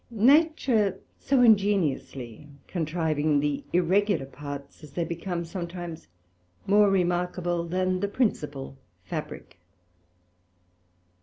Nature so ingeniously contriving the irregular parts, as they become sometimes more remarkable than the principal Fabrick.